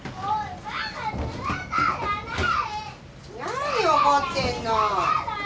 何怒ってんの？